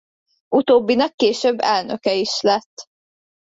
Utóbbinak később elnöke is lett.